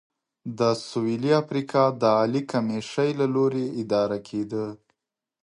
د سوېلي افریقا د عالي کمېشۍ له لوري اداره کېده.